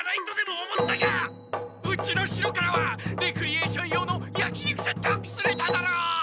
うちの城からはレクリエーション用のやき肉セットをくすねただろ！